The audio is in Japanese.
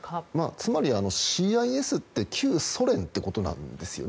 つまりＣＩＳって旧ソ連ってことなんですよね。